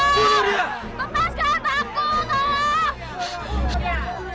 tolong lepaskan aku tolong